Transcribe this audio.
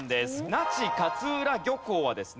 那智勝浦漁港はですね